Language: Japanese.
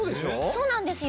そうなんですよ。